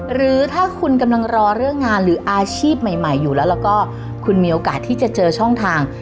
หรือถ้าคุณกำลังรอเรื่องงานหรืออาชีพใหม่อยู่แล้วแล้วก็คุณมีโอกาสที่จะเจอช่องทาง